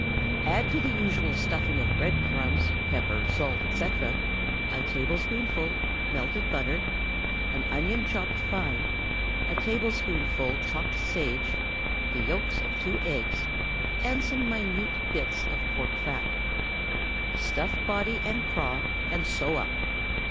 Add to the usual stuffing of bread crumbs, pepper, salt, etc., a tablespoonful melted butter, an onion chopped fine, a tablespoonful chopped sage, the yolks of two eggs, and some minute bits of fat pork. Stuff body and craw, and sew up.